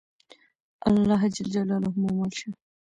الله ج مو مل شه.